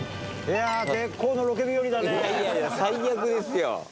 いやいや最悪ですよ。